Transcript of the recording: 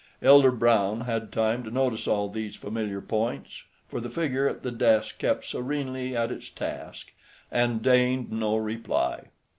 Elder Brown had time to notice all these familiar points, for the figure at the desk kept serenely at its task, and deigned no reply.